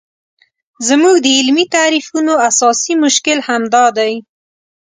زموږ د علمي تعریفونو اساسي مشکل همدا دی.